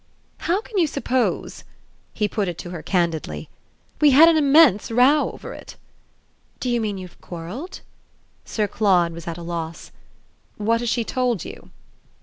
"How can you suppose ?" He put it to her candidly. "We had an immense row over it." "Do you mean you've quarrelled?" Sir Claude was at a loss. "What has she told you?"